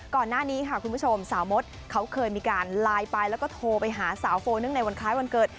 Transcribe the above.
ก่อนหน้านี้ค่ะคุณผู้ชมสาวมดเขาเคยมีการไลน์ไปแล้วก็โทรไปหาสาวโฟเนื่องในวันคล้ายวันเกิด